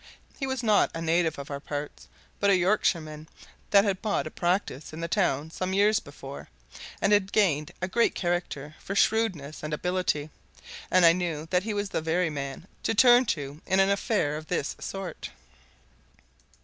He was not a native of our parts, but a Yorkshireman that had bought a practice in the town some years before, and had gained a great character for shrewdness and ability, and I knew that he was the very man to turn to in an affair of this sort.